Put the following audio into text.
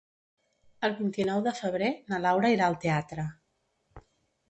El vint-i-nou de febrer na Laura irà al teatre.